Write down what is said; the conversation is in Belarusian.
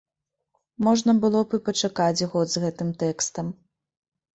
Можна было б і пачакаць год з гэтым тэкстам.